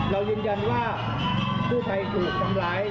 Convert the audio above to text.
เรายืนยันว่ากู้ภัยถูกทำร้าย